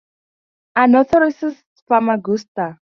Anorthosis Famagusta